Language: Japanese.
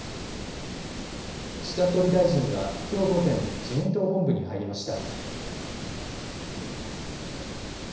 岸田総理大臣は、きょう午前、自民党本部に入りました。